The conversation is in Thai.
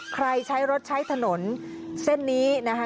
ใช้รถใช้ถนนเส้นนี้นะคะ